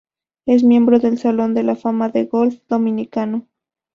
Es miembro del Salón de la Fama del Golf Dominicano.